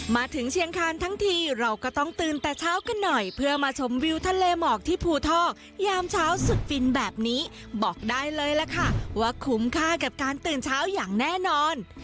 มาถึงเชียงคานทั้งทีเราก็ต้องตื่นแต่เช้ากันหน่อยเพื่อมาชมวิวทะเลหมอกที่ภูทอกยามเช้าสุดฟินแบบนี้บอกได้เลยล่ะค่ะว่าคุ้มค่ากับการตื่นเช้าอย่างแน่นอน